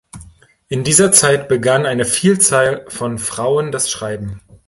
In dieser Zeit begann eine Vielzahl von Frauen das Schreiben.